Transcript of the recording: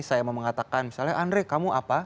saya mau mengatakan misalnya andre kamu apa